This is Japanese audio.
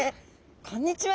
こんにちは！